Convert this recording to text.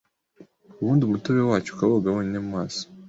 ubundi umutobe wacyo ukawoga wonyine mu maso,